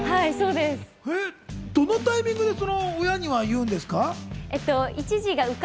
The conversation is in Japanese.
どのタイミングで親には言うんですか？